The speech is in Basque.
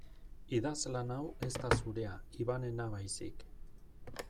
Idazlan hau ez da zurea Ivanena baizik.